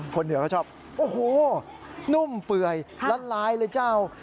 คนเหนือก็ชอบโอ้โฮนุ่มเปลือยลัดลายเลยเจ้า